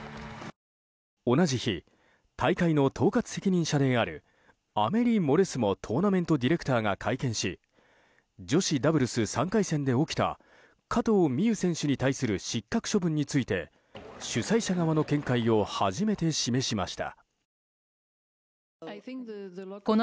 同じ日、大会の統括責任者であるアメリ・モレスモトーナメントディレクターが会見し女子ダブルス３回戦で起きた加藤未唯選手に対する失格処分に対して主催者側の見解を初めて示しました。